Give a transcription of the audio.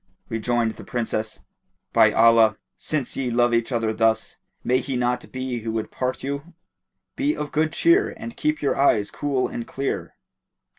Rejoined the Princess, "By Allah, since ye love each other thus, may he not be who would part you! Be of good cheer and keep your eyes cool and clear."